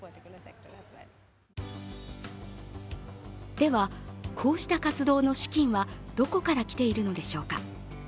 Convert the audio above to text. では、こうした活動の資金はどこから来ているのでしょうか。